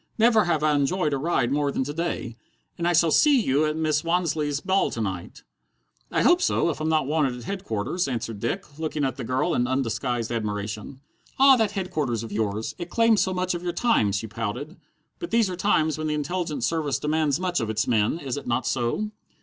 "Never have I enjoyed a ride more than to day. And I shall see you at Mrs. Wansleigh's ball to night?" "I hope so if I'm not wanted at Headquarters," answered Dick, looking at the girl in undisguised admiration. "Ah, that Headquarters of yours! It claims so much of your time!" she pouted. "But these are times when the Intelligence Service demands much of its men, is it not so?"